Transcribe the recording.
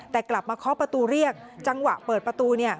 แต่กลับมาเคาะประตูเรียกจังหวะเปิดประตู